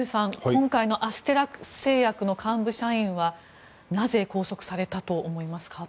今回のアステラス製薬の幹部社員はなぜ拘束されたと思いますか？